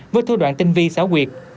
với thư đoạn tinh vi xáo quyệt